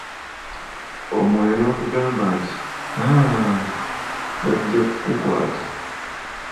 Omwoyo n’akugamba nti, "Aaa..bajja kukukwata".